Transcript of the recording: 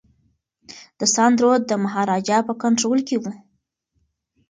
د سند رود د مهاراجا په کنټرول کي و.